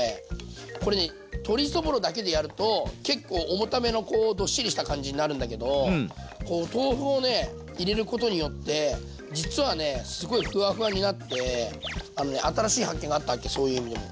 これね鶏そぼろだけでやると結構重ためのどっしりした感じになるんだけど豆腐をね入れることによって実はねすごいふわふわになってあのね新しい発見があったそういう意味でも。